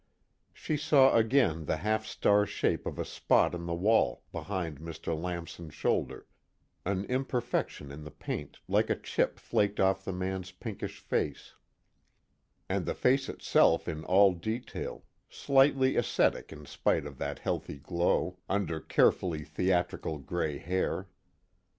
She saw again the half star shape of a spot on the wall behind Mr. Lamson's shoulder, an imperfection in the paint like a chip flaked off the man's pinkish face; and the face itself in all detail, slightly ascetic in spite of that healthy glow, under carefully theatrical gray hair.